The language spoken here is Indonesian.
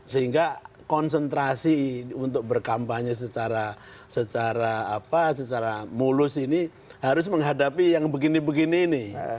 sehingga konsentrasi untuk berkampanye secara mulus ini harus menghadapi yang begini begini ini